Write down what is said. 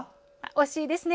惜しいですね！